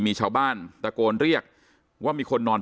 มีชาวบ้านตะโกนเรียกว่ามีคนนอน